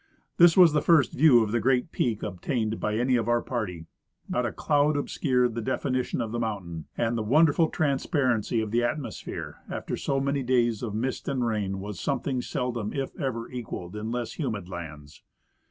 This was the first view of the great peak obtained by any of our party. Not a cloud obscured the defination of the mountain ; and the wonderful transparency of the atmosphere, after so many days of mist and rain, was something seldom if ever equalled in less humid lands.